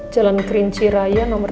jalan kerinci raya nomor tiga puluh lima